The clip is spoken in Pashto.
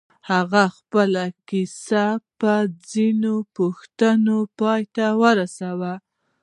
هغه خپله کيسه په ځينو پوښتنو پای ته ورسوله.